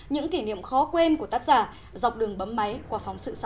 những kỉ niệm khó quên của tác giả